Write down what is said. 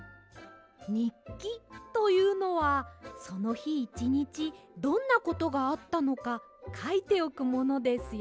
にっきというのはそのひいちにちどんなことがあったのかかいておくものですよ。